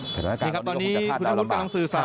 สถานการณ์ตอนนี้ก็คงจะพลาดแล้วลำบาก